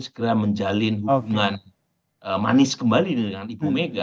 segera menjalin hubungan manis kembali dengan ibu mega